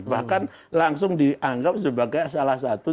bahkan langsung dianggap sebagai salah satu